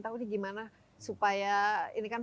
tahu ini gimana supaya ini kan